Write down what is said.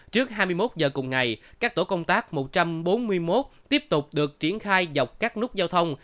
trước hai mươi một giờ cùng ngày các tổ công tác một trăm bốn mươi một tiếp tục được triển khai dọc các nút giao thông